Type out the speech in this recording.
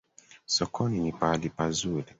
Sokoni ni pahali pazuri